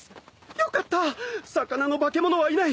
よかった魚の化け物はいない。